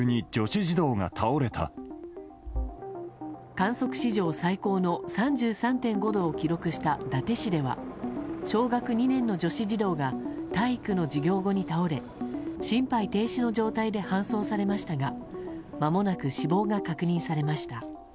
観測史上最高の３３．５度を記録した伊達市では小学２年の女子児童が体育の授業後に倒れ心肺停止の状態で搬送されましたがまもなく死亡が確認されました。